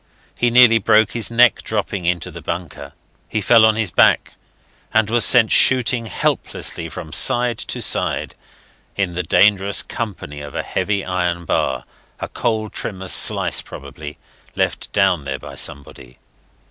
He nearly broke his neck dropping into the bunker. He fell on his back, and was sent shooting helplessly from side to side in the dangerous company of a heavy iron bar a coal trimmer's slice probably left down there by somebody.